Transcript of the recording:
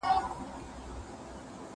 په وښو او په اوربشو یې زړه سوړ وو